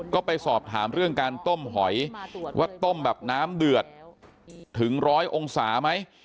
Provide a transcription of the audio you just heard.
ก็ไปสอบถามเรื่องการต้มหอยว่าต้มแบบน้ำเดือดถึงร้อยองศาไหม